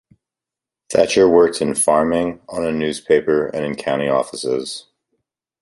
Thatcher worked in farming, on a newspaper and in county offices.